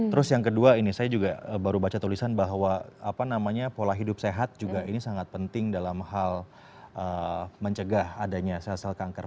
terus yang kedua ini saya juga baru baca tulisan bahwa pola hidup sehat juga ini sangat penting dalam hal mencegah adanya sel sel kanker